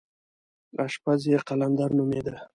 اشپز یې قلندر نومېده.